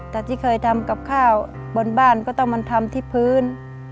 แต่ที่เคยทำกับข้าวบนบ้านก็ต้องมันทำที่พื้น